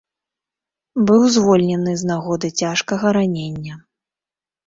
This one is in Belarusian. Быў звольнены з нагоды цяжкага ранення.